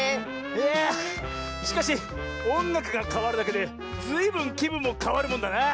いやしかしおんがくがかわるだけでずいぶんきぶんもかわるもんだなあ。